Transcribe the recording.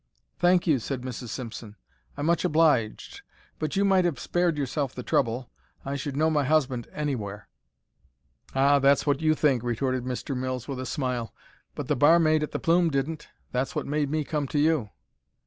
"Thank you," said Mrs. Simpson. "I'm much obliged. But you might have spared yourself the trouble. I should know my husband anywhere." "Ah, that's what you think," retorted Mr. Mills, with a smile; "but the barmaid at the Plume didn't. That's what made me come to you."